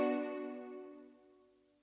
hukuman yang akan kita tanggung atas diri kita sendiri